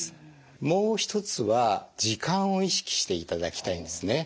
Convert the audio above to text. もう一つは時間を意識していただきたいんですね。